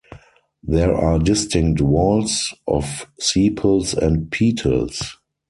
There are distinct whorls of sepals and petals.